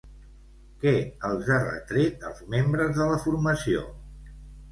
Què els ha retret als membres de la formació?